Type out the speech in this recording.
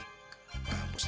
lo ke siapa ini mari